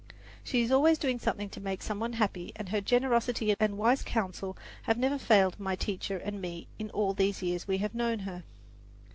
She is always doing something to make some one happy, and her generosity and wise counsel have never failed my teacher and me in all the years we have known her.